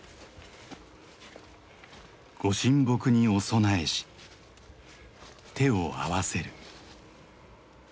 ご神木にお供えし手を合わせる。